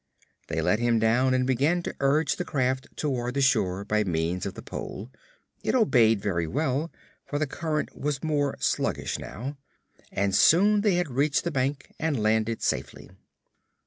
They let him down and began to urge the raft toward the shore by means of the pole. It obeyed very well, for the current was more sluggish now, and soon they had reached the bank and landed safely.